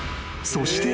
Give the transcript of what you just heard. ［そして］